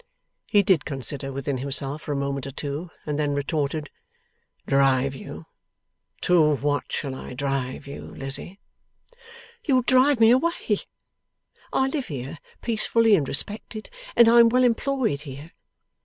He did consider within himself for a moment or two, and then retorted, 'Drive you? To what shall I drive you, Lizzie?' 'You will drive me away. I live here peacefully and respected, and I am well employed here.